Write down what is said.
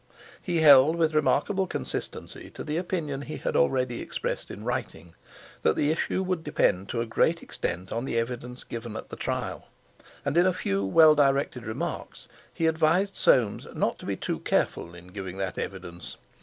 He held with remarkable consistency to the opinion he had already expressed in writing, that the issue would depend to a great extent on the evidence given at the trial, and in a few well directed remarks he advised Soames not to be too careful in giving that evidence.